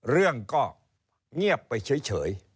เรื่องก็เงียบไปเฉย